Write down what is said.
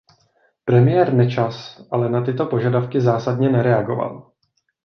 Premiér Nečas ale na tyto požadavky zásadně nereagoval.